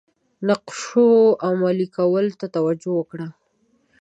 نقشو عملي کولو ته توجه وکړه.